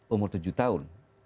umur tujuh tahun